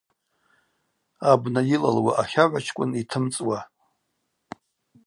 Абна йылалуа ахагӏвачкӏвын йтымцӏуа.